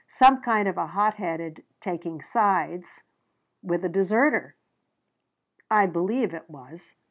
Some kind of a hot headed taking sides with a deserter, I believe it was.